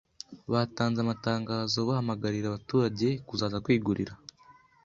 Batanze amatangazo bahamagarira abaturage kuzaza kwigurira.